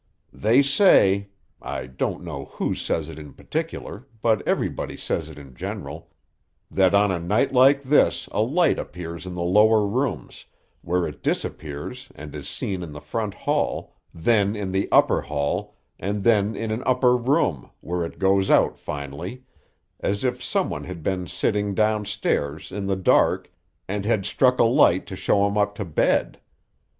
"They say I don't know who says it in particular, but everybody says it in general that on a night like this a light appears in the lower rooms, where it disappears and is seen in the front hall; then in the upper hall, and then in an upper room, where it goes out finally, as if someone had been sitting down stairs, in the dark, and had struck a light to show him up to bed.